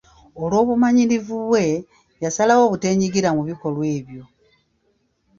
Olw’obumanyirivu bwe, yasalawo obuteenyigira mu bikolwa ebyo.